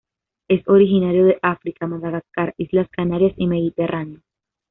Es originario de África, Madagascar, Islas Canarias y Mediterráneo.